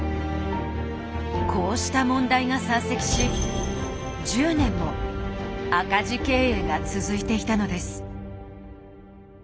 こうした問題が山積し１０年も赤字経営が続いていたのです。